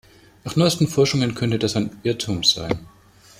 Nach neuesten Forschungen könnte das ein Irrtum sein.